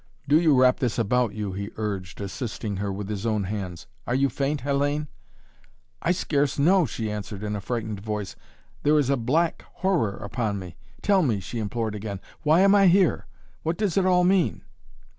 "Do you wrap this about you," he urged, assisting her with his own hands. "Are you faint, Hellayne?" "I scarce know," she answered, in a frightened voice. "There is a black horror upon me. Tell me," she implored again, "Why am I here? What does it all mean?"